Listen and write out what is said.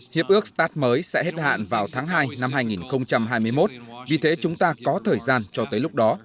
hiệp ước stat mới sẽ hết hạn vào tháng hai năm hai nghìn hai mươi một vì thế chúng ta có thời gian cho tới lúc đó